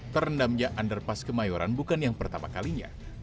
terendamnya underpass kemayoran bukan yang pertama kalinya